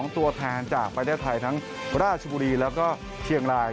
๒ตัวแทนจากไฟได้ไทยทั้งราชบุรีและเชียงราย